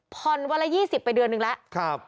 ผ่อนวันละ๒๐ไปเดือนหนึ่งแล้ว